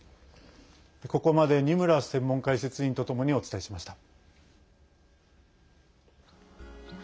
ここまで二村専門解説委員とともにお伝えしました。